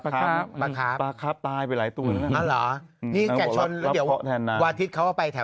ฉันแวะไอ้ไข่เล่นไงเธอ